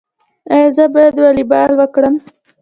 ایا زه باید والیبال وکړم؟